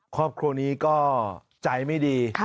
ครอบครัวนี้ก็ใจไม่ดี